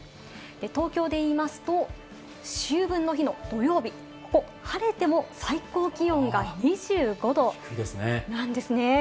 東京でいいますと、秋分の日の土曜日、ここ晴れても最高気温が２５度でなんですね。